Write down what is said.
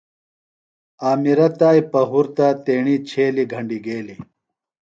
امیرہ تائیۡ پتو تیݨی چھیلیۡ گھنڈیۡ گیلیۡ۔